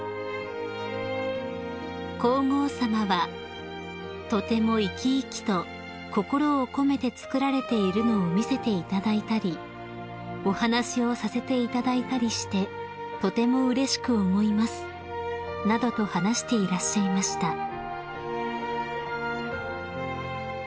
［皇后さまは「とても生き生きと心を込めて作られているのを見せていただいたりお話をさせていただいたりしてとてもうれしく思います」などと話していらっしゃいました］